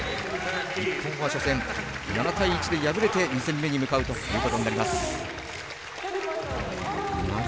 日本は初戦、７対１で敗れて２戦目に向かうことになります。